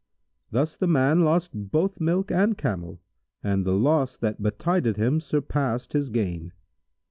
Thus the man lost both milk and camel and the loss that betided him surpassed his gain.